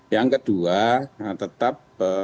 yang kedua tetap